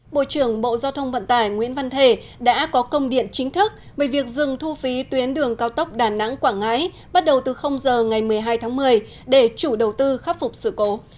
bộ trưởng bộ giao thông vận tải nguyễn văn thể đã có công điện chính thức về việc dừng thu phí tuyến đường cao tốc đà nẵng quảng ngãi bắt đầu từ giờ ngày một mươi hai tháng một mươi để chủ đầu tư khắc phục sự cố